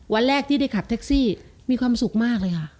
วันแรกที่ได้ขับแท็กซี่มีความสุขมากเลยค่ะ